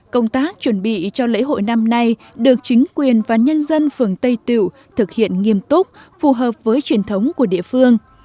công tác chuẩn bị cho lễ hội năm nay được chính quyền và nhân dân phường tây tiệu thực hiện nghiêm túc phù hợp với truyền thống của địa phương